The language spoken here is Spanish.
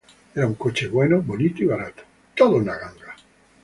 Era un coche bueno, bonito y barato. Toda una ganga